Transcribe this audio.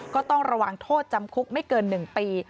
ก็ต้องระวังโทษจำคุกไม่เกิน๑ปี